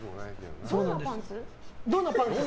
どんなパンツ？